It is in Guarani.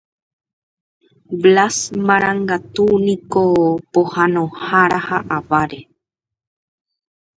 Blas Marangatu niko pohãnohára ha avare.